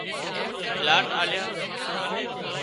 پلاٽ آليا